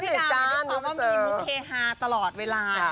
ที่พี่ดาวคว่ามีหมู้เพจฮาตลอดเวลาน่ะ